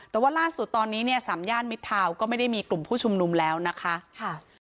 แต่ว่าล่าสุดตอนนี้เนี่ยสามย่านมิดทาวน์ก็ไม่ได้มีกลุ่มผู้ชุมนุมแล้วนะคะ